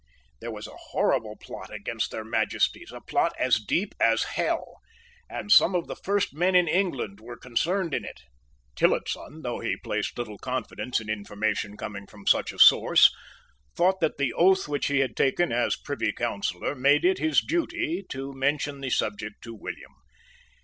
There was a horrible plot against their Majesties, a plot as deep as hell; and some of the first men in England were concerned in it. Tillotson, though he placed little confidence in information coming from such a source, thought that the oath which he had taken as a Privy Councillor made it his duty to mention the subject to William.